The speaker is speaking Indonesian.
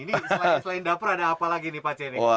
ini selain dapur ada apa lagi nih pak ceni